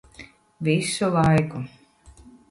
Visu laiku.